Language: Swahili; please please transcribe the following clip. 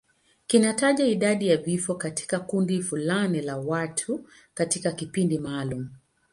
Kinataja idadi ya vifo katika kundi fulani la watu katika kipindi maalum.